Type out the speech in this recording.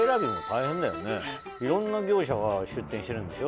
いろんな業者が出店してるんでしょ？